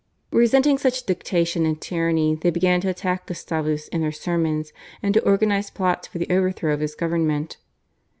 Resenting such dictation and tyranny they began to attack Gustavus in their sermons and to organise plots for the overthrow of his government.